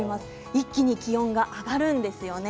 一気に気温が上がるんですよね。